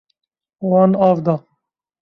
Wan av da.